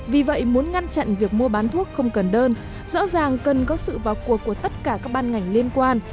vì vậy muốn ngăn chặn việc mua bán thuốc không cần đơn rõ ràng cần có sự vào cuộc của tất cả các ban ngành liên quan